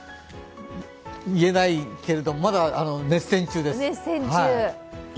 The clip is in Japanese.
言えないけれど、まだ熱戦中です。